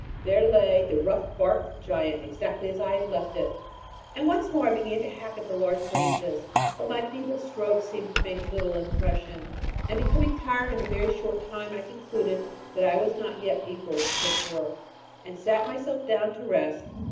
There lay the rough barked giant exactly as I had left it, and once more I began to hack at the large branches; but my feeble strokes seemed to make little impression, and becoming tired in a very short time, I concluded that I was not yet equal to such work, and sat myself down to rest.